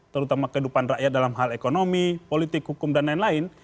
terutama kehidupan rakyat dalam hal ekonomi politik hukum dan lain lain